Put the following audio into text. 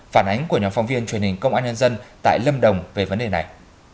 phản ánh của nhóm phóng viên truyền hình công an nhân dân tại lâm đồng về vấn đề này